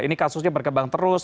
ini kasusnya berkembang terus